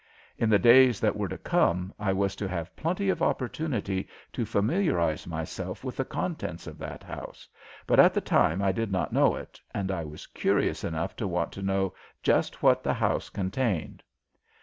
In the days that were to come I was to have plenty of opportunity to familiarize myself with the contents of that house, but at the time I did not know it, and I was curious enough to want to know just what the house contained.